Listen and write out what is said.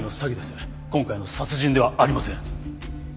今回の殺人ではありません。